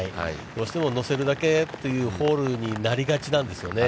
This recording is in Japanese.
どうしても乗せるだけというホールになりがちなんですよね。